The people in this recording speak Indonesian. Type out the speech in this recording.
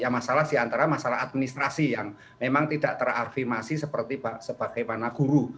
masalah antara masalah administrasi yang memang tidak terafirmasi seperti bagaimana guru